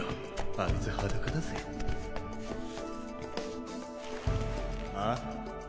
あいつ裸だああ？